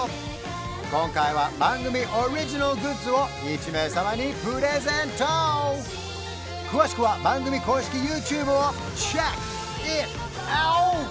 今回は番組オリジナルグッズを１名様にプレゼント詳しくは番組公式ＹｏｕＴｕｂｅをｃｈｅｃｋｉｔｏｕｔ！